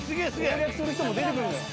攻略する人も出てくるのよ。